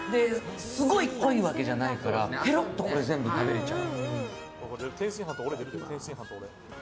すごい濃いわけじゃないからぺろっと全部食べれちゃう。